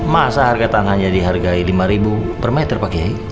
masa harga tanahnya dihargai rp lima per meter pak kiai